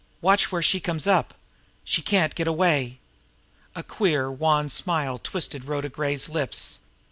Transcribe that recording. "Watch where she comes up! She can't get away!" A queer, wan smile twisted Rhoda Gray's lips.